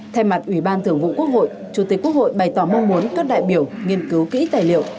thay mặt ủy ban thưởng vụ quốc hội chủ tịch quốc hội bày tỏ mong muốn các đại biểu nghiên cứu kỹ tài liệu